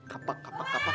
kapak kapak kapak